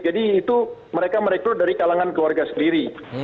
jadi itu mereka merekrut dari kalangan keluarga sendiri